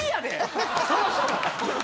そろそろ。